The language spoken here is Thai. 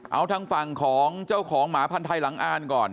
เอาทางฝั่งของเจ้าของหมาพันธ์ไทยหลังอ่านก่อน